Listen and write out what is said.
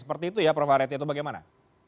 seperti itu ya provarietnya itu bagaimana